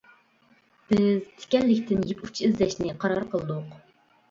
بىز تىكەنلىكتىن يىپ ئۇچى ئىزدەشنى قارار قىلدۇق.